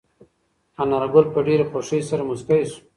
انارګل په ډېرې خوښۍ سره موسکی شو.